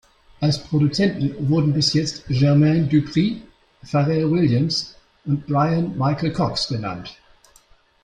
Als Produzenten wurden bis jetzt Jermaine Dupri, Pharrell Williams und Bryan Michael Cox genannt.